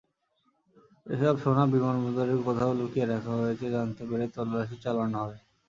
এসব সোনা বিমানবন্দরের কোথাও লুকিয়ে রাখা হয়েছে—জানতে পেরে তল্লাশি চালানো হয়।